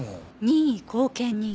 任意後見人？